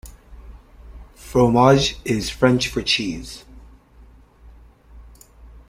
"Fromage" is French for "cheese".